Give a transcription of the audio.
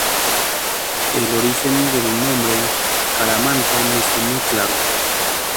El origen del nombre Caramanta no está muy claro.